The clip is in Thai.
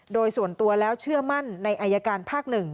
โดยส่วนตัวแล้วเชื่อมั่นในอายการภาค๑